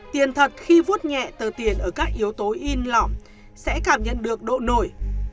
tiền thật khi vuốt nhẹ tờ tiền ở các yếu tố in lỏng sẽ cảm nhận được độ nổi